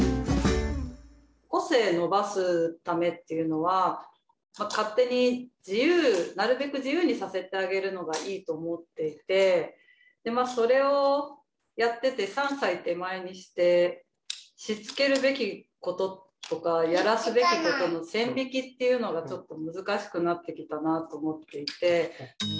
個性伸ばすためっていうのは勝手になるべく自由にさせてあげるのがいいと思っていてそれをやってて３歳手前にしてしつけるべきこととかやらすべきことの線引きっていうのが難しくなってきたなと思っていて。